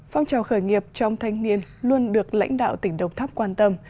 phong trào khởi nghiệp trong thanh niên luôn được lãnh đạo tỉnh đồng tháp quan tâm